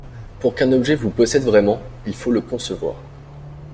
Pour qu’un objet vous possède vraiment, il faut le concevoir.